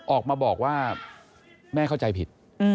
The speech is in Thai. ออกมาบอกว่าแม่เข้าใจผิด